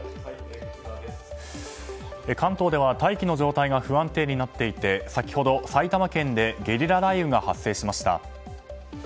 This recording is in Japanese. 関東では大気の状態が不安定になっていて先ほど、埼玉県でゲリラ雷雨が発生しました。